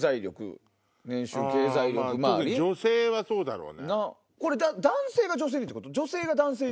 女性はそうだろうね。